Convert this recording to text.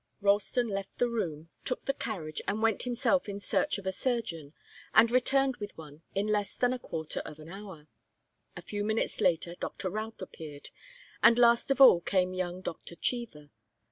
Ralston left the room, took the carriage, and went himself in search of a surgeon, and returned with one in less than a quarter of an hour. A few minutes later Doctor Routh appeared, and last of all came young Doctor Cheever.